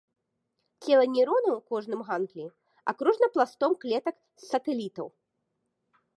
Цела нейронаў у кожным гангліі акружана пластом клетак-сатэлітаў.